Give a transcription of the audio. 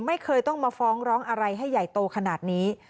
ไม่เคยต้องมาฟ้องร้องอะไรให้ใหญ่โตขนาดนี้